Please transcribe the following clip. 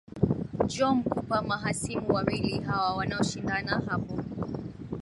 joe mkupa mahasimu wawili hawa wanaoshindana hapo